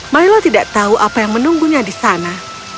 maila tidak tahu apa yang menunggunya di sana